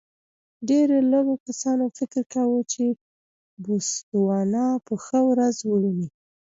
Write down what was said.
ډېرو لږو کسانو فکر کاوه چې بوتسوانا به ښه ورځ وویني.